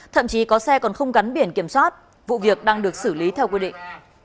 thậm chí có xe còn không gắn biển kiểm soát vụ việc đang được xử lý theo quy định